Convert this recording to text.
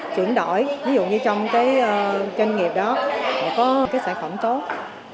chuyển đổi ví dụ như trong cái doanh nghiệp đó để có cái sản phẩm tốt